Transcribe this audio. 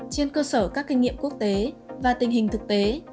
trên cơ sở các kinh nghiệm quốc tế và tình hình thực tế